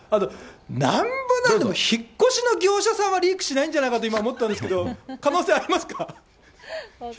なんぼなんでも引っ越しの業者さんはリークしないんじゃないかと今、思ったんですけど、可能性ありますか？